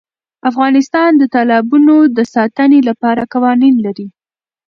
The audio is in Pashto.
افغانستان د تالابونو د ساتنې لپاره قوانین لري.